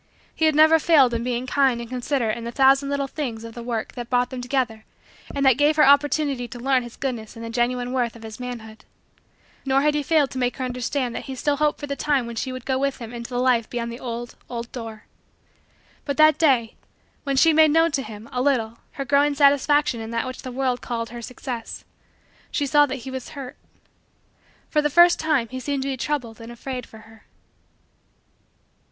He had never failed in being kind and considerate in the thousand little things of the work that brought them together and that gave her opportunity to learn his goodness and the genuine worth of his manhood. Nor had he failed to make her understand that still he hoped for the time when she would go with him into the life beyond the old, old, door. But that day, when she made known to him, a little, her growing satisfaction in that which the world called her success, she saw that he was hurt. For the first time he seemed to be troubled and afraid for her.